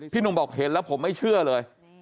หนุ่มบอกเห็นแล้วผมไม่เชื่อเลย